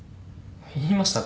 言いましたが？